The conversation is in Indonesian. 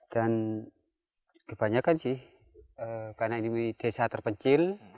dan kebanyakan sih karena ini desa terpencil